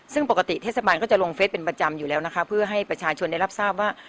ซึ่งปกติเทศบาลก็จะลงเฟสเป็นประจำอยู่แล้วนะคะเพื่อให้ประชาชนได้รับทราบว่า